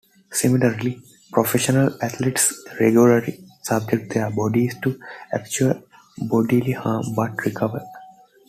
Similarly, professional athletes regularly subject their bodies to actual bodily harm, but recover.